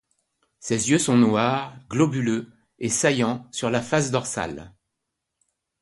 Ses yeux sont noirs, globuleux et saillants sur la face dorsale.